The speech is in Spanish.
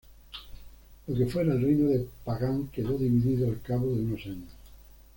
Lo que fuera el Reino de Pagan quedó dividido al cabo de unos años.